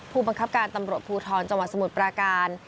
ผู้บังคับการตำรวจภูทรจังหวัดสมุทรปราการ